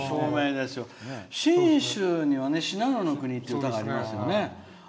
信州には「信濃の国」っていう歌がありますよね。